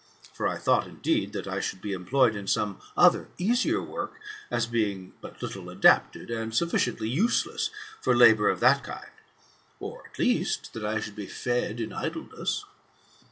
For I thought, indeed, that I should be employed in some other easier work, as being but little adapted, and sufficiently useless for labour of that kind, or, at least, that I should be fed. in idleness.